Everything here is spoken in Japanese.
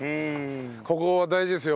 ここ大事ですよ！